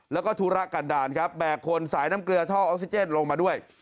แล้วก็ธุระกันดาลครับแบกคนสายน้ำเกลือท่อออกซิเจนลงมาด้วย